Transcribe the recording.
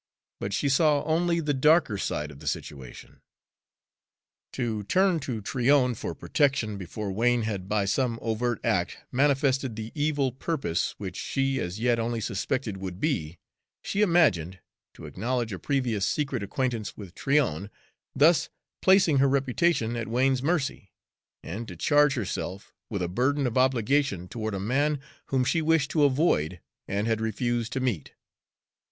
But she saw only the darker side of the situation. To turn to Tryon for protection before Wain had by some overt act manifested the evil purpose which she as yet only suspected would be, she imagined, to acknowledge a previous secret acquaintance with Tryon, thus placing her reputation at Wain's mercy, and to charge herself with a burden of obligation toward a man whom she wished to avoid and had refused to meet.